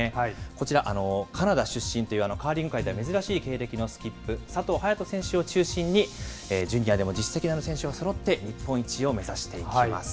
こちら、カナダ出身というカーリング界では珍しい経歴のスキップ、佐藤剣仁選手を中心に、ジュニアでも実績のある選手がそろって日本一を目指していきます。